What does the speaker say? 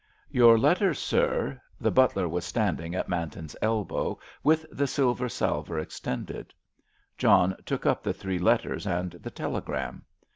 "Your letters, sir." The butler was standing at Manton's elbow with the silver salver extended. John took up the three letters and the telegram.